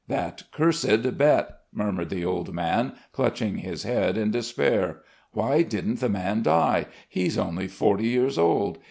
"That cursed bet," murmured the old man clutching his head in despair.... "Why didn't the man die? He's only forty years old.